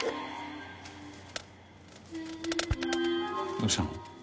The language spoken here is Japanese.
どうしたの？